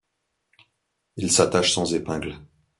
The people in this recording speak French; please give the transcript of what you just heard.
Il s'attache sans épingle.